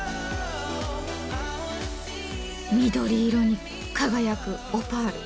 緑色に輝くオパール。